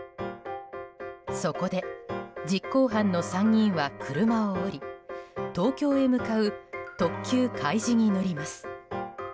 そこで実行犯の３人は車を降り東京へ向かう特急「かいじ」に乗ります。